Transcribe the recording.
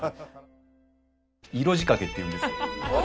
色仕掛けって言うんですよ。